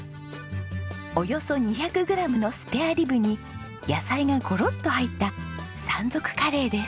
およそ２００グラムのスペアリブに野菜がゴロッと入った山賊カレーです。